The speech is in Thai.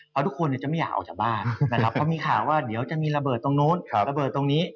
เพราะทุกคนจะไม่อยากออกจากบ้านนะครับเพราะมีข่าวว่าเดี๋ยวจะมีระเบิดตรงนู้นระเบิดตรงนี้